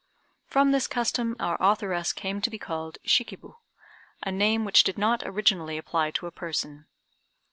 From this custom our authoress came to be called "Shikib," a name which did not originally apply to a person.